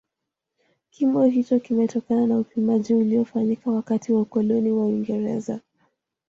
Kimo hicho kimetokana na upimaji uliofanyika wakati wa ukoloni wa Uingereza